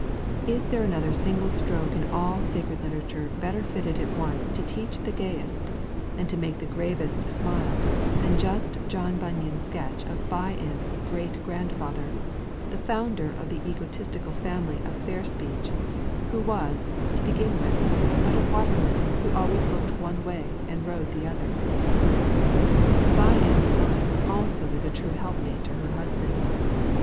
Is there another single stroke in all sacred literature better fitted at once to teach the gayest and to make the gravest smile than just John Bunyan's sketch of By ends' great grandfather, the founder of the egoistical family of Fairspeech, who was, to begin with, but a waterman who always looked one way and rowed another? By ends' wife also is a true helpmate to her husband.